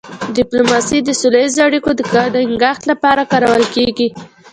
ډيپلوماسي د سوله ییزو اړیکو د ټینګښت لپاره کارول کېږي.